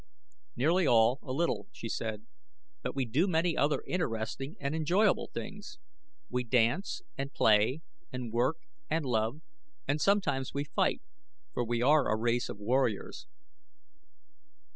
"Nearly all, a little," she said; "but we do many other interesting and enjoyable things. We dance and play and work and love and sometimes we fight, for we are a race of warriors."